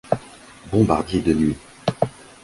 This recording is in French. Bombardier de nuit.